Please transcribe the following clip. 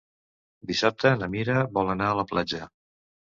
Dissabte na Mira vol anar a la platja.